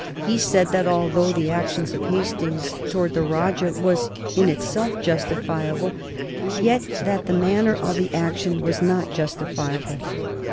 He said that, although the action of Hastings towards the Rajah was in itself justifiable, yet that the manner of the action was not justifiable.